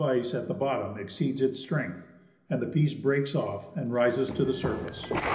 ice at the bottom exceeds its strength, and pieces break off and rise to tlie surface.